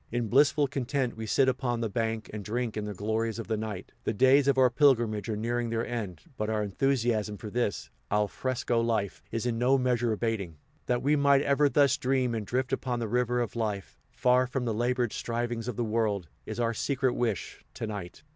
In blissful content we sit upon the bank, and drink in the glories of the night. The days of our pilgrimage are nearing their end, but our enthusiasm for this al fresco life is in no measure abating. That we might ever thus dream and drift upon the river of life, far from the labored strivings of the world, is our secret wish, to night.